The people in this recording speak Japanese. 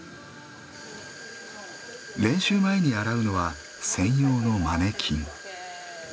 練習前に洗うのは専用のマネキン。